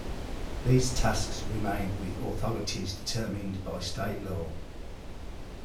These tasks remain with authorities determined by State law.